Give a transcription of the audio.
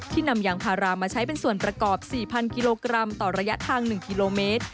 นำยางพารามาใช้เป็นส่วนประกอบ๔๐๐กิโลกรัมต่อระยะทาง๑กิโลเมตร